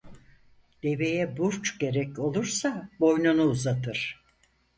Deveye burç gerek olursa boynunu uzatır.